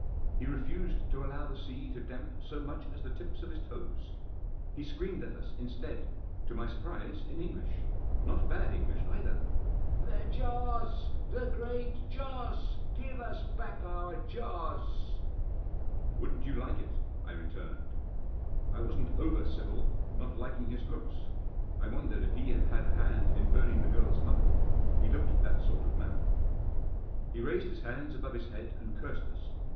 He refused to allow the sea to damp so much as the tips of his toes. He screamed at us instead — to my surprise, in English — not bad English either. " The Joss ! The Great Joss ! Give us back our Joss !"" Wouldn't you like it ?" I returned. I wasn't over civil, not liking his looks. I wondered if he had had a hand in burning the girl's mother. He looked that sort of man. He raised his hands above his head and cursed us.